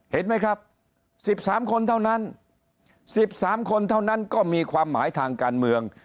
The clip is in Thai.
เห็นไหมครับ๑๓คนเท่านั้น๑๓คนเท่านั้นก็มีความหมายทางการเมือง